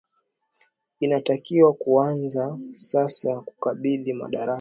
inatakiwa kuanza sasa kukabidhi madaraka